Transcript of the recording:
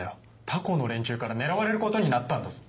他校の連中から狙われることになったんだぞ。